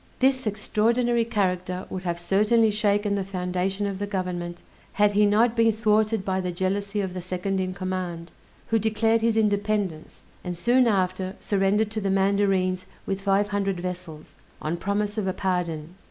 This extraordinary character would have certainly shaken the foundation of the government, had he not been thwarted by the jealousy of the second in command, who declared his independence, and soon after surrendered to the mandarines with five hundred vessels, on promise of a pardon.